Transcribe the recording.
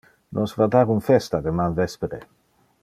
Nos va dar un festa deman vespere.